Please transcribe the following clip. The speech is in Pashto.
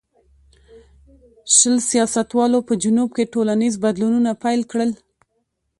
شل سیاستوالو په جنوب کې ټولنیز بدلونونه پیل کړل.